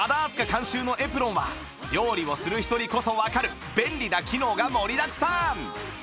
監修のエプロンは料理をする人にこそわかる便利な機能が盛りだくさん！